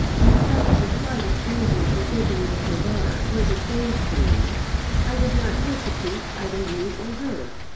If I had the slightest reason for thinking that your daughter was estranged from me, I would not persecute either you or her.